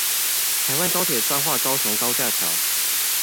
台灣高鐵彰化高雄高架橋